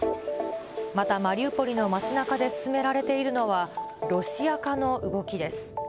またマリウポリの街なかで進められているのは、ロシア化の動きです。